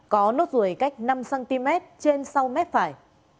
có nốt ruồi cách năm cm trên sau mép phải